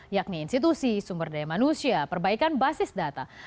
yakni institusi sumber daya manusia perbaikan basis data